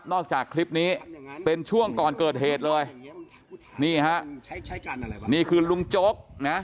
นอกจากคลิปนี้เป็นช่วงก่อนเกิดเหตุเลยนี่คือลุงโจ๊ก